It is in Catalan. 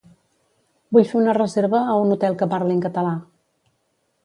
Vull fer una reserva a un hotel que parlin català